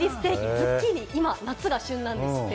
ズッキーニ、今、夏が旬なんですって。